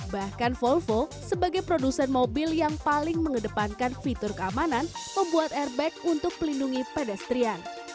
bahkan folvo sebagai produsen mobil yang paling mengedepankan fitur keamanan membuat airbag untuk pelindungi pedestrian